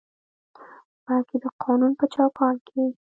بلکې د قانون په چوکاټ کې